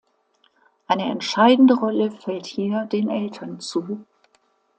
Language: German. Eine entscheidende Rolle fällt hier den Eltern zu.